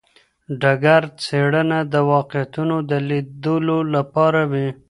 ډګر څېړنه د واقعیتونو د لیدلو لپاره وي.